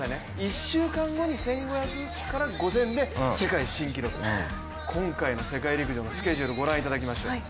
１週間後に１５００から５０００で世界新記録今回の世界陸上のスケジュールご覧いただきましょう。